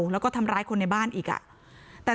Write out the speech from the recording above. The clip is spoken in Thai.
ภรรยาก็บอกว่านายทองม่วนขโมย